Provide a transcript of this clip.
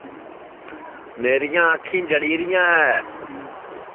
میریاں انکھی جݪی ریاں ہے